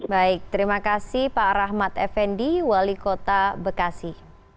baik terima kasih pak rahmat effendi wali kota bekasi